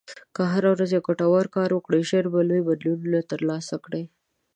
که هره ورځ یو ګټور کار وکړې، ژر به لوی بدلونونه ترلاسه کړې.